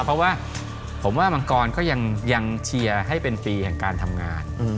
เพราะว่าผมว่ามังกรก็ยังเชียร์ให้เป็นปีแห่งการทำงาน